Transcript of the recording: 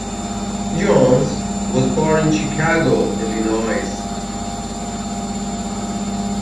Jones was born in Chicago, Illinois.